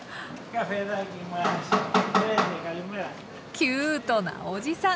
キュートなおじさん。